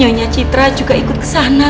nyonya citra juga ikut ke sana